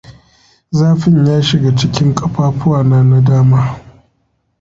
Zafin ya shiga cikin kafafuwana na dama.